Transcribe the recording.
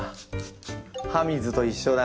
葉水と一緒だ。